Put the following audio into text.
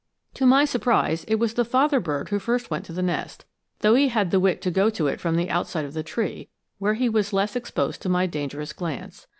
To my surprise, it was the father bird who first went to the nest, though he had the wit to go to it from the outside of the tree, where he was less exposed to my dangerous glance.